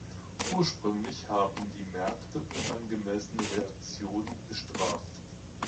Ursprünglich haben die Märkte unangemessene Reaktionen bestraft.